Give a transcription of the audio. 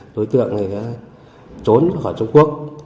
đối tượng trốn khỏi trung quốc